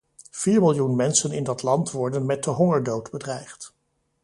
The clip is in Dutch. Vier miljoen mensen in dat land worden met de hongerdood bedreigd.